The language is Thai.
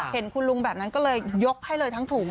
เห็นคุณลุงแบบนั้นก็เลยยกให้เลยทั้งถุง